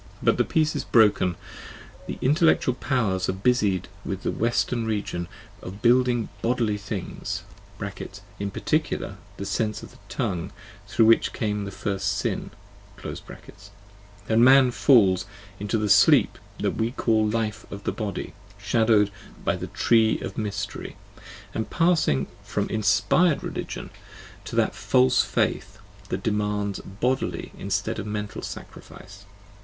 But the peace is broken: the in tellectual powers are busied with the western region of bodily things (and in particular the sense of the Tongue, through which came the first sin) : and man falls into the sleep that we call the life of the body, shadowed by the tree of mystery, and passing from in spired religion to that false faith which demands bodily instead of mental sacrifice.